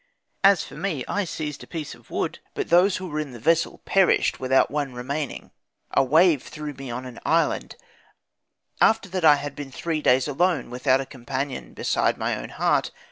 As for me, I seized a piece of wood; but those who were in the vessel perished, without one remaining. A wave threw me on an island, after that I had been three days alone, without a companion beside my own heart.